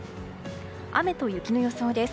雨と雪の予想です。